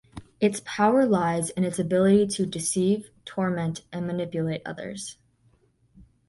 Its power lies in its ability to deceive, torment and manipulate others.